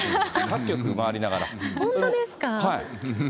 各局回りながら。